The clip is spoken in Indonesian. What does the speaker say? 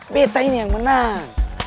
beta ini yang menang